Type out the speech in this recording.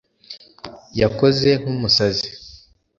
yakoze nkumusazi